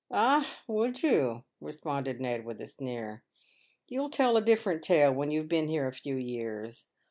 "Ah! would you?" responded Ned, with a sneer ; "you'll tell a different tale when you've been here a few years.